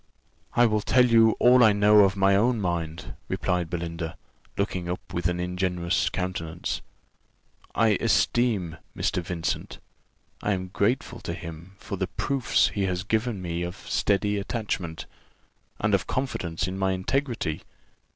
"I will tell you all I know of my own mind," replied Belinda, looking up with an ingenuous countenance. "I esteem Mr. Vincent; I am grateful to him for the proofs he has given me of steady attachment, and of confidence in my integrity.